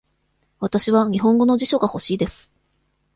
わたしは日本語の辞書が欲しいです。